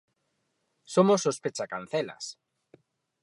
Somos os pechacancelas.